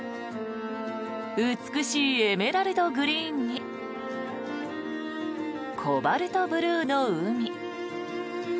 美しいエメラルドグリーンにコバルトブルーの海。